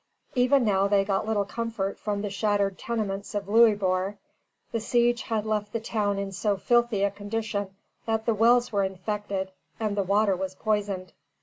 Even now they got little comfort from the shattered tenements of Louisbourg. The siege had left the town in so filthy a condition that the wells were infected and the water was poisoned.